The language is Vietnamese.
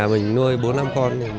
mình nuôi bốn năm con